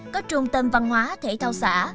có trung tâm văn hóa thể thao xã